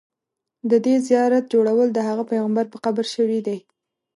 د دې زیارت جوړول د هغه پیغمبر په قبر شوي دي.